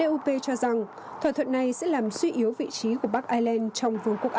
d u p cho rằng thỏa thuận này sẽ làm suy yếu vị trí của bắc island trong vùng quốc anh